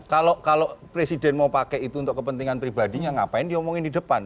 kalau presiden mau pakai itu untuk kepentingan pribadinya ngapain diomongin di depan